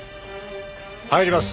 入ります。